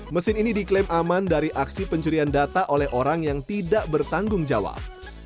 mesin ini diklaim aman dari aksi pencurian data oleh orang yang tidak bertanggung jawab